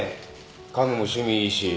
家具も趣味いいし。